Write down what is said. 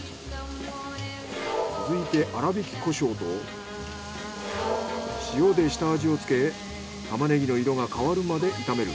続いて粗挽きコショウと塩で下味をつけタマネギの色が変わるまで炒める。